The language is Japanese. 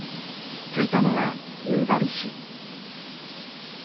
着いたのは夕張市。